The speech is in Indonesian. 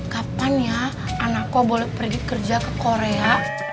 kapan ya anakku boleh pergi kerja ke korea